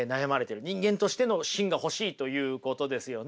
人間としての芯が欲しいということですよね。